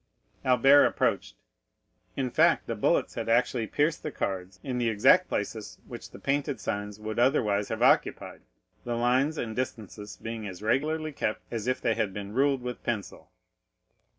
Albert approached. In fact, the bullets had actually pierced the cards in the exact places which the painted signs would otherwise have occupied, the lines and distances being as regularly kept as if they had been ruled with pencil.